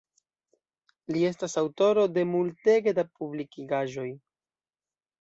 Li estas aŭtoro de multege da publikigaĵoj.